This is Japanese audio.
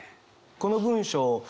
この文章